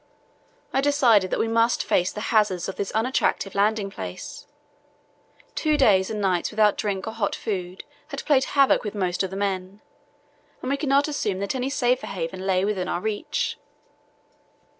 I decided that we must face the hazards of this unattractive landing place. Two days and nights without drink or hot food had played havoc with most of the men, and we could not assume that any safer haven lay within our reach.